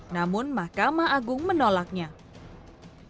namun mahkamah agung menolakkan